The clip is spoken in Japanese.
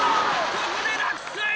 ここで落水！